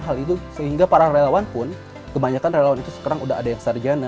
hal itu sehingga para relawan pun kebanyakan relawan itu sekarang udah ada yang sarjana